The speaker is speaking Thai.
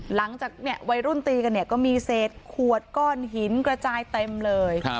หลังจากวัยรุ่นตีกันเนี่ยก็มีเศษขวดก้อนหินกระจายเต็มเลย